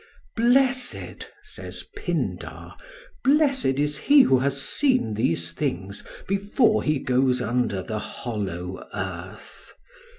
"Blessed," says Pindar, "blessed is he who has seen these things before he goes under the hollow earth.